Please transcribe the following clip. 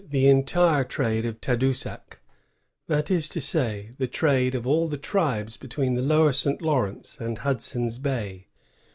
the entire trade of Tadoussac, — that is to say, the trade of all the tribes between the lower St. Lawrence and Hudson^s Bay.